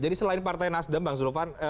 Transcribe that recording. hal ini dari partai nasdem bang suluhvan